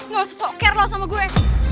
lo gak usah soker lo sama gue